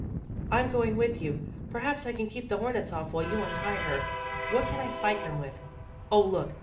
"I'm going with you. Perhaps I can keep the hornets off while you untie her. What can I fight them with? Oh, look!